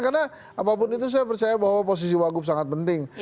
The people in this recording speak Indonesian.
karena apapun itu saya percaya bahwa posisi wagub sangat penting